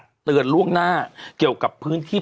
และเราต้องเตือนล่วงหน้าเกี่ยวกับพื้นที่